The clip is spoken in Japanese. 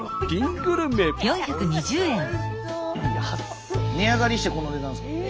スタジオ値上がりしてこの値段ですからね。